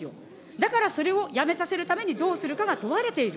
だからそれをやめさせるためにどうするかが問われている。